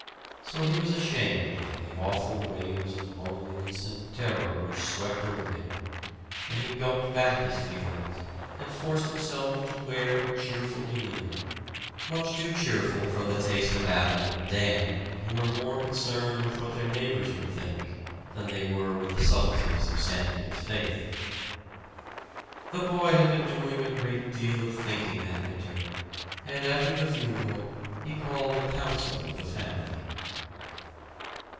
So he was ashamed for the awful waves of loneliness and terror which swept over him; and he gulped back his feelings and forced himself to wear a cheerful demeanor much too cheerful for the taste of Adam and Dan, who were more concerned with what their neighbors would think than they were with the subtleties of Samuel's faith. The boy had been doing a great deal of thinking that winter; and after the funeral he called a council of the family.